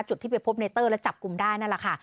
จุดที่ไปพบในเตอร์และจับกลุ่มได้นั่นแหละค่ะ